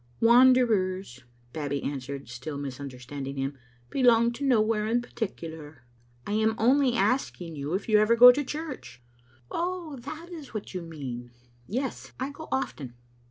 "Wanderers," Babbie answered, still misunderstand ing him, "belong to nowhere in particular." '* I am only asking you if you ever go to church?" "Oh, that is what you mean. Yes, I go often."